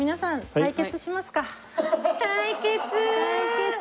対決！